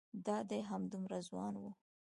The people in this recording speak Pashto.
دای همدومره ځوان و.